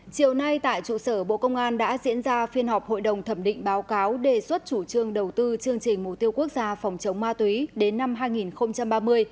chiều nay tại trụ sở bộ công an đã diễn ra phiên họp hội đồng thẩm định báo cáo đề xuất chủ trương đầu tư chương trình mục tiêu quốc gia phòng chống ma túy đến năm hai nghìn ba mươi